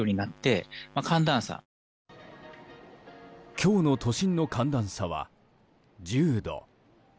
今日の都心の寒暖差は１０度。